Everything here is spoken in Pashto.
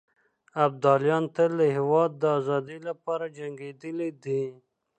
ابداليان تل د هېواد د ازادۍ لپاره جنګېدلي دي.